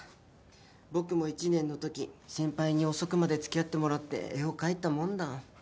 僕も１年のとき先輩に遅くまで付き合ってもらって絵を描いたもんだ。